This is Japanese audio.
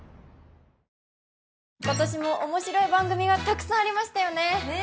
今年も面白い番組がたくさんありましたよねねえ